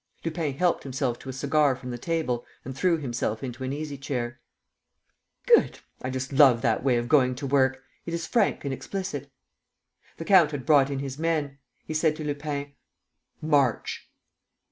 Lupin helped himself to a cigar from the table and threw himself into an easy chair: "Good! I just love that way of going to work. It is frank and explicit." The count had brought in his men. He said to Lupin: "March!"